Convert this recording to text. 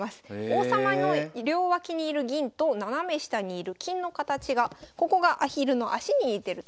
王様の両脇に居る銀と斜め下に居る金の形がここがアヒルの足に似てるということで。